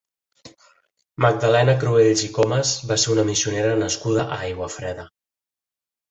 Magdalena Cruells i Comas va ser una missionera nascuda a Aiguafreda.